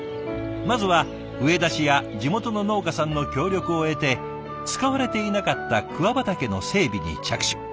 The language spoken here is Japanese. まずは上田市や地元の農家さんの協力を得て使われていなかった桑畑の整備に着手。